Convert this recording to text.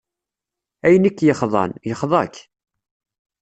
Ayen i k-yexḍan, yexḍa-k.